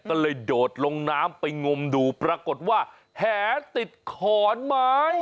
ก็เลยโดดลงน้ำไปงมดูปรากฏว่าแหติดขอนไม้